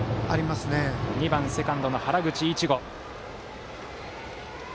２番、セカンドの原口一護。